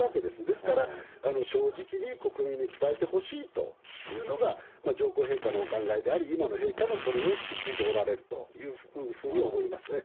ですから、正直に国民に伝えてほしいというのが上皇陛下のお考えであり、今の陛下もそれを引き継いでおられるというふうに思いますね。